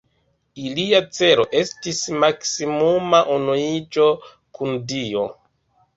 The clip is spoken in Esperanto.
Ilia celo estis maksimuma unuiĝo kun Dio.